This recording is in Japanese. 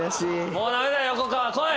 もう駄目だ横川来い！